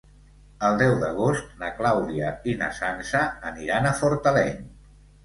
El deu d'agost na Clàudia i na Sança aniran a Fortaleny.